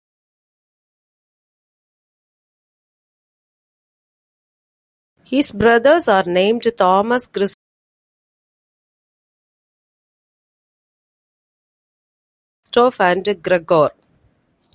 His brothers are named Thomas, Christoph and Gregor.